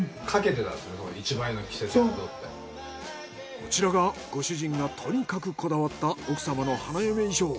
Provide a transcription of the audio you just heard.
こちらがご主人がとにかくこだわった奥様の花嫁衣装。